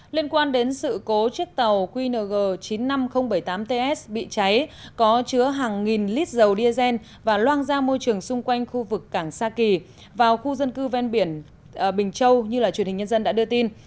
liên quan đến sự cố chiếc tàu qng chín mươi năm nghìn bảy mươi tám ts bị cháy có chứa hàng nghìn lít dầu diesel và loang ra môi trường xung quanh khu vực cảng sa kỳ vào khu dân cư ven biển bình châu như truyền hình nhân dân đã đưa tin